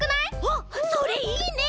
あっそれいいね！